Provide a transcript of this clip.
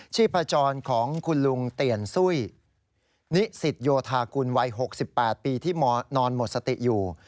ชีพจรของคุณลุงเตียนซุ้ยนิสิตโยธากุลวัย๖๘ปีที่นอนหมดสติอยู่